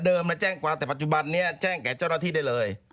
มาแจ้งความแต่ปัจจุบันนี้แจ้งแก่เจ้าหน้าที่ได้เลย